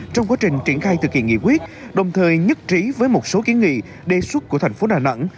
trong quá trình triển khai thực hiện nghị quyết đồng thời nhất trí với một số kiến nghị đề xuất của thành phố đà nẵng